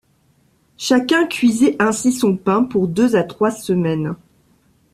Chacun cuisait ainsi son pain pour deux à trois semaines.